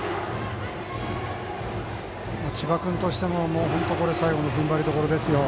千葉君としても、これは最後の踏ん張りどころですよ。